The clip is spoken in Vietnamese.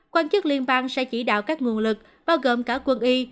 quan chức liên bang sẽ chỉ đạo các nguồn lực bao gồm cả quân y